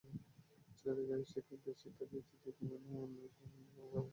ছেলেকে ভালো শিক্ষা দিয়েছেন যে কি না অন্যের জীবন নিয়েও ভাবে।